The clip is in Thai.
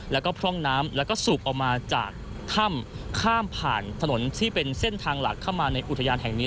แล้วก็พร่องน้ำแล้วก็สูบออกมาจากถ้ำข้ามผ่านถนนที่เป็นเส้นทางหลักเข้ามาในอุทยานแห่งนี้